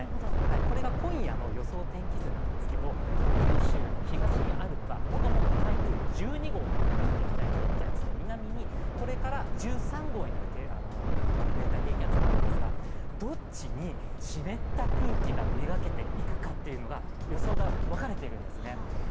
これが今夜の予想天気図なんですけど、九州の東にあるのがもともと台風１２号だった熱帯低気圧で南にこれから１３号になる熱帯低気圧があるんですが、どっちに湿った空気が目がけていくかというのが予想が分かれているんですね。